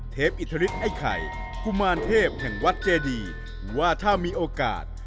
อิทธิฤทธิไอ้ไข่กุมารเทพแห่งวัดเจดีว่าถ้ามีโอกาส